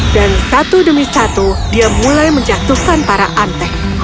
dan satu demi satu dia mulai menjatuhkan para antek